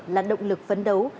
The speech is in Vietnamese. là động lực phấn đấu